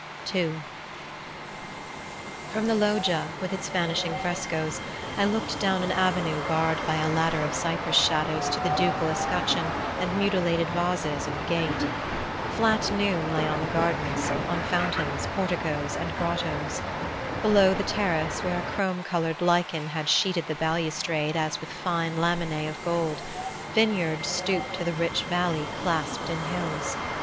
II From the loggia, with its vanishing frescoes, I looked down an avenue barred by a ladder of cypress shadows to the ducal escutcheon and mutilated vases of the gate. Flat noon lay on the gardens, on fountains, porticoes and grottoes. Below the terrace, where a chrome colored lichen had sheeted the balustrade as with fine laminae of gold, vineyards stooped to the rich valley clasped in hills.